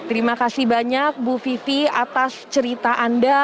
terima kasih banyak bu vivi atas cerita anda